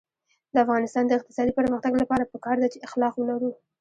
د افغانستان د اقتصادي پرمختګ لپاره پکار ده چې اخلاق ولرو.